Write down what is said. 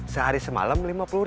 sehari semalam lima puluh